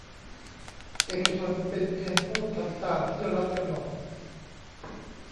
เอกชนเป็นเพียงผู้ทำตามที่รัฐกำหนด